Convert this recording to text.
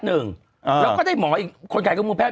แล้วก็ได้หมออีกคนขายเครื่องมือแพท